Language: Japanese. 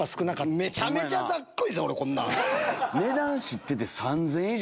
めちゃめちゃざっくりですよこんなん。